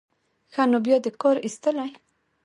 ښه نو بیا دې کار ایستلی.